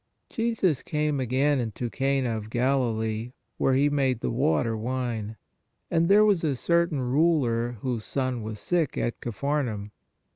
46 53. " Jesus came again into Cana of Galilee where He made the water wine. And there was a certain ruler whose son was sick at Capharnaum.